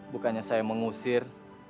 bukannya saya mengusir